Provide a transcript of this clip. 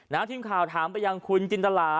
ทีมข่าวถามไปยังคุณจินตรา